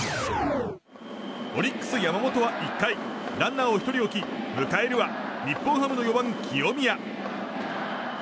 オリックス、山本は１回ランナーを１人置き迎えるは日本ハムの４番、清宮。